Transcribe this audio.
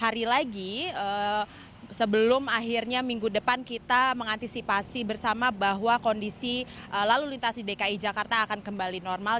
hari lagi sebelum akhirnya minggu depan kita mengantisipasi bersama bahwa kondisi lalu lintas di dki jakarta akan kembali normal